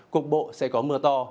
cục bộ sẽ có mưa to